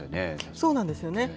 そうなんですよね。